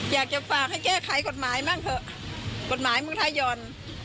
อยากจะฝากให้แก้ไขกฎหมายบ้างเถอะกฎหมายเมืองไทยห่อน